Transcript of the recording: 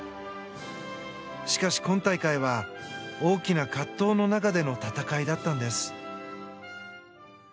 しかし、今大会は大きな葛藤の中での戦いだったんです。